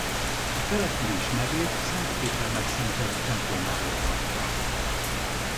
A település nevét Szent Péternek szentelt templomáról kapta.